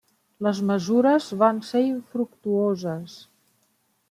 Les mesures van ser infructuoses.